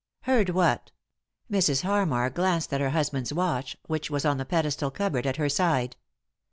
"Heard what?" Mrs, Harmar glanced at her husband's watch, which was on the pedestal cupboard at her side.